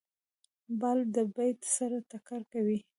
بال د بېټ سره ټکر کوي.